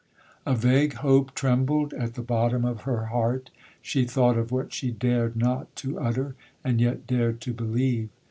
A vague hope trembled at the bottom of her heart,—she thought of what she dared not to utter, and yet dared to believe.